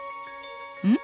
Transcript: うん？